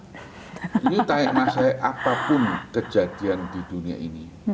ini tanya tanya apapun kejadian di dunia ini